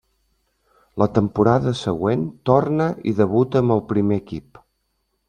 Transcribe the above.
La temporada següent torna i debuta amb el primer equip.